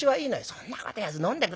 『そんなこと言わず飲んで下さい』。